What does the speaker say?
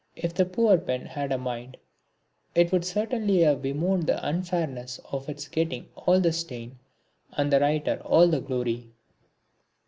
If the poor pen had a mind it would as certainly have bemoaned the unfairness of its getting all the stain and the writer all the glory!